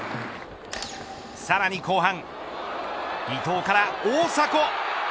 さらに後半伊東から大迫。